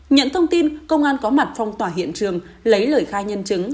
nhận thông tin công an có mặt phong tỏa hiện trường lấy lời khai nhân chứng